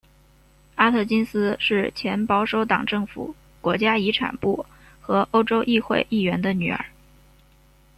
阿特金斯是前保守党政府国家遗产部和欧洲议会议员的女儿。